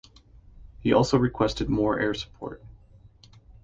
He also requested more air support.